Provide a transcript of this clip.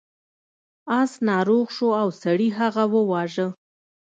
اس ناروغ شو او سړي هغه وواژه.